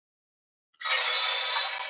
ایا د کتاب بیه ډېره لوړه ده؟